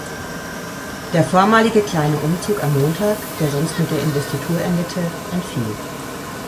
Der vormalige kleine Umzug am Montag, der sonst mit der Investitur endete, entfiel.